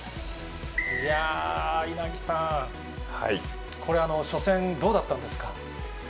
いや、稲垣さん、これ、初戦、どうだったんですか？